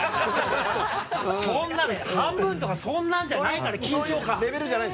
そんな半分とかそんなんじゃないから緊張感は。